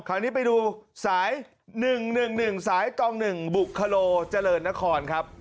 คราวนี้ไปดูสาย๑๑๑สายตอง๑บุคโลเจริญนครครับ